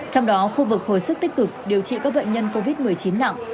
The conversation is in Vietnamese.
trong đó khu vực hồi sức tích cực điều trị các bệnh nhân covid một mươi chín nặng